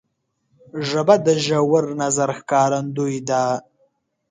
ژبه د ژور نظر ښکارندوی ده